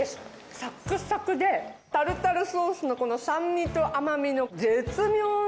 サックサクで、タルタルソースのこの酸味と甘みの絶妙な。